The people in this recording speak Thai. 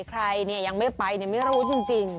ใครเนี่ยยังไม่ไปไม่รู้จริง